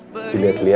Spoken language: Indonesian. berikan aku cinta